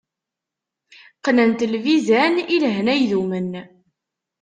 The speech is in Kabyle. Qqnent lbizan, i lehna idumen.